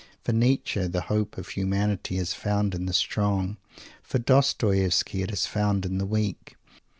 For Nietzsche the hope of humanity is found in the strong; for Dostoievsky it is found in the weak.